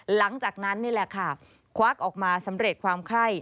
หลังจากนั้นนี่แหละค่ะควักออกมาสำเร็จความไคร้